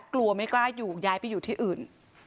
กลัวไม่กล้าอยู่ย้ายไปอยู่ที่อื่น